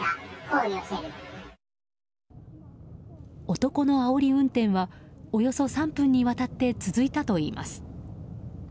男のあおり運転はおよそ３分にわたって続いたといいます。